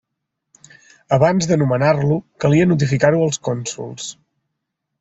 Abans de nomenar-lo calia notificar-ho als cònsols.